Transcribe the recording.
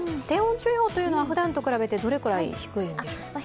低温注意報というのはふだんと比べてどのくらい低いんですか。